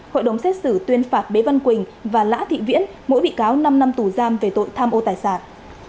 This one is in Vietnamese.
hội đồng xét xử tuyên phạt bế văn quỳnh và lã thị viễn mỗi bị cáo năm năm tù giam về tội tham ô tài sản